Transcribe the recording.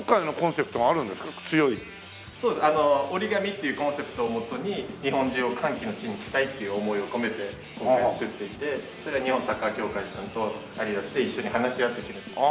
「ＯＲＩＧＡＭＩ」っていうコンセプトをもとに日本中を歓喜の地にしたいという思いを込めて今回作っていて日本サッカー協会さんとアディダスで一緒に話し合って決めている。